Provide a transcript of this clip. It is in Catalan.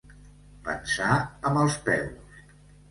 Pensar amb els peus.